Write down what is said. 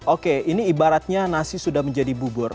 oke ini ibaratnya nasi sudah menjadi bubur